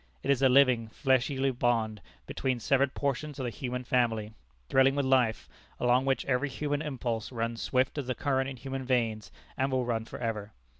It is a living, fleshly bond between severed portions of the human family, thrilling with life, along which every human impulse runs swift as the current in human veins, and will run for ever.